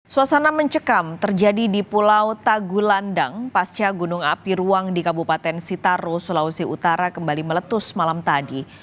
suasana mencekam terjadi di pulau tagulandang pasca gunung api ruang di kabupaten sitaro sulawesi utara kembali meletus malam tadi